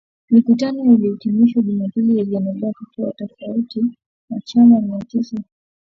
Mikutano hiyo iliyohitimishwa Jumapili ililenga kuondoa tofauti miongoni mwa wanachama Mia tisini na sita wa Mkataba wa Umoja wa Mataifa